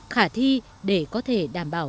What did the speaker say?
khả thi để có thể đảm bảo